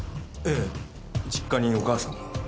ええ実家にお母さんが。